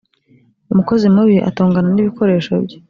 umukozi mubi atongana nibikoresho bye.